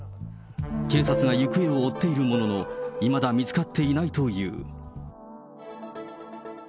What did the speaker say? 警察が行方を追っているものの、いまだ見つかっていないという。